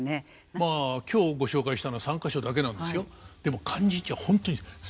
まあ今日ご紹介したのは３か所だけなんですよ。